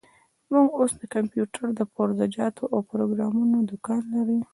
موږ اوس د کمپيوټر د پرزه جاتو او پروګرامونو دوکان لري.